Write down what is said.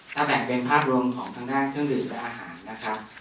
ถ้าแบ่งเป็นภาพรวมของทางด้านเครื่องดื่มและอาหารนะครับ